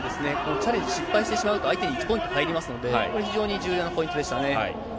チャレンジ失敗してしまうと、相手に１ポイント入りますので、これ、非常に重要なポイントでしたね。